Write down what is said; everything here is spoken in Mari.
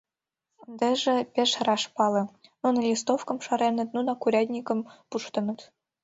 Ындыже пеш раш пале: нуно листовкым шареныт, нунак урядникым пуштыныт.